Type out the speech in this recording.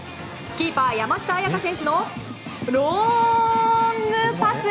キーパー、山下杏也加選手のロングパス。